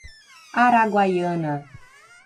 Araguaiana